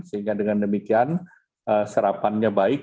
sehingga dengan demikian serapannya baik